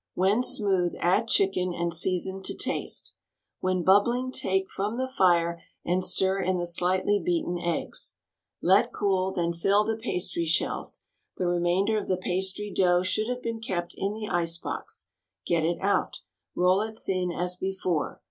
When smooth add chicken and season to taste. When bubbling take from the fire and stir in the slightly beaten eggs. Let cool, then fill the pastry shells. The remainder of the pastry dough should have been kept in the ice box. Get it out. Roll it thin as before.